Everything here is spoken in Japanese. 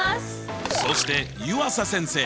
そして湯浅先生。